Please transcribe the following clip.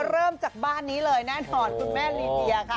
เริ่มจากบ้านนี้เลยแน่นอนคุณแม่ลีเดียค่ะ